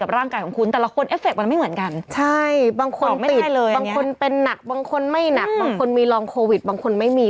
บางคนไม่นักบางคนมีลองโควิดบางคนไม่มี